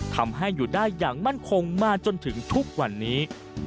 ทำให้อยู่ได้อย่างมั่นคงมาจนถึงทุกวันนี้